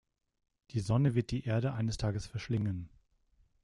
Die Sonne wird die Erde eines Tages verschlingen.